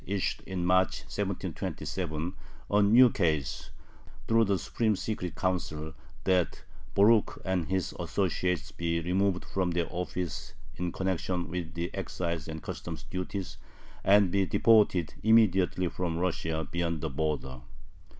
issued, in March, 1727, an ukase through the Supreme Secret Council, that Borukh and his associates be removed from their office in connection with the excise and customs duties, and "be deported immediately from Russia beyond the border."